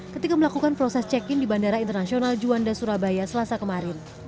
ketika melakukan proses check in di bandara internasional juanda surabaya selasa kemarin